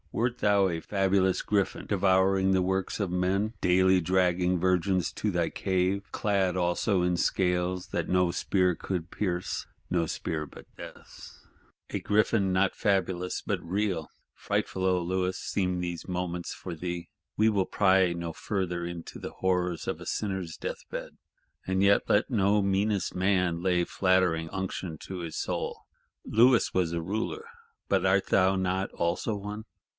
Wert thou a fabulous Griffin, devouring the works of men; daily dragging virgins to thy cave;—clad also in scales that no spear would pierce: no spear but Death's? A Griffin not fabulous but real! Frightful, O Louis, seem these moments for thee.—We will pry no further into the horrors of a sinner's death bed. And yet let no meanest man lay flattering unction to his soul. Louis was a Ruler; but art not thou also one?